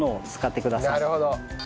なるほど！